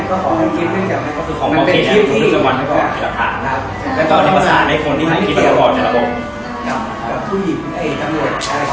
ก็ของมันคิดขึ้นกับมัน